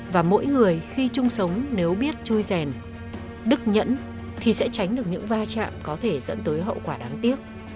và mỗi người khi chung sống nếu biết trôi rèn đức nhẫn thì sẽ tránh được những va chạm có thể dẫn tới hậu quả đáng tiếc